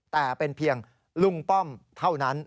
แต่เป็นเพียงลุงป้อมเท่านั้น